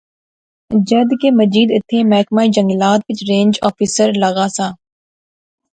جد کہ مجید ایتھیں محکمہ جنگلات وچ رینج آفیسر لاغا سا